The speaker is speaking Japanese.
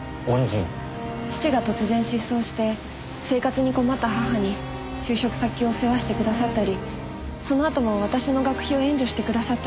父が突然失踪して生活に困った母に就職先を世話してくださったりそのあとも私の学費を援助してくださったり。